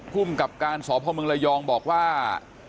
ภูมิกับการสอบภอคมเมืองรายองบอกว่า